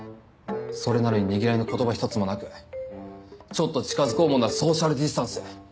それなのにねぎらいの言葉一つもなくちょっと近づこうものならソーシャルディスタンス。